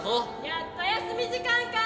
「やっと休み時間か」。